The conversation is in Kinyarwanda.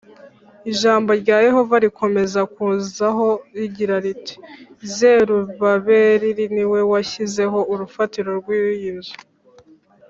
Ijambo rya Yehova rikomeza kunzaho rigira riti Zerubabeli ni we washyizeho urufatiro rw iyi nzu